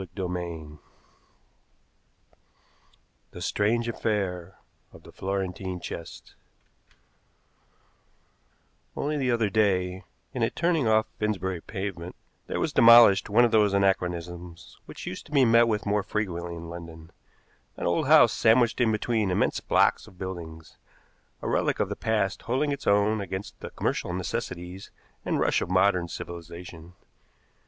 CHAPTER XV THE STRANGE AFFAIR OF THE FLORENTINE CHEST Only the other day, in a turning off Finsbury Pavement, there was demolished one of those anachronisms which used to be met with more frequently in London, an old house sandwiched in between immense blocks of buildings, a relic of the past holding its own against the commercial necessities and rush of modern civilization.